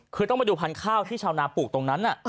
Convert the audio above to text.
คือต้องมาดูพันธุ์ข้าวที่ชาวนาปลูกตรงนั้น